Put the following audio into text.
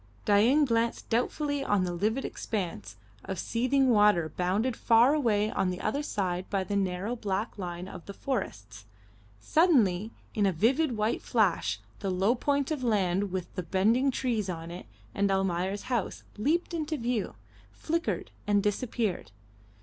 Dain glanced doubtfully on the livid expanse of seething water bounded far away on the other side by the narrow black line of the forests. Suddenly, in a vivid white flash, the low point of land with the bending trees on it and Almayer's house, leaped into view, flickered and disappeared.